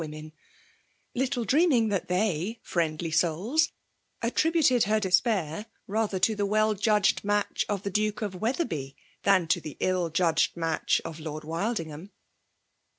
825 Women; little dreaming that they> fiiendly «0ub/attiibuted her despair rather to the well judged match of the Duke of Wetherby than to the ill judged match of Lord Wildingham.